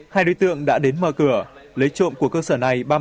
hai đối tượng đã đến mở cửa lấy trộm của cơ sở này